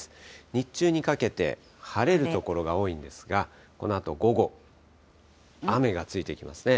日中にかけて晴れる所が多いんですが、このあと午後、雨がついてきますね。